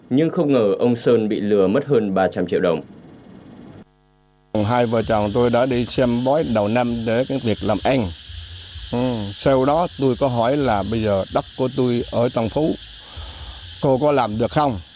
nhưng không ngờ ông sơn bị lừa mất hơn ba trăm linh triệu đồng